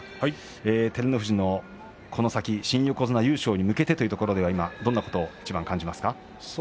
照ノ富士の、この先、新横綱優勝に向けてというところではどんなことをいちばん感じますか。